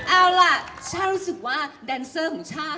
เอาล่ะฉันรู้สึกว่าแดนเซอร์ของฉัน